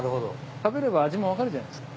食べれば味もわかるじゃないですか。